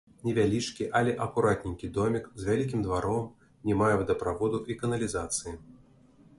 Невялічкі, але акуратненькі домік з вялікім дваром не мае вадаправоду і каналізацыі.